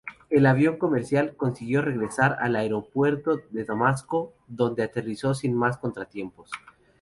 El avión comercial consiguió regresar al aeropuerto de Damasco donde aterrizó sin más contratiempos.